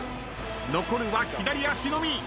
残るは左足のみ。